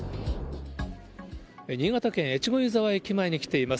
新潟県越後湯沢駅前に来ています。